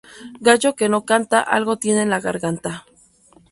Gallo que no canta, algo tiene en la garganta